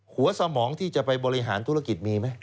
สมองที่จะไปบริหารธุรกิจมีไหม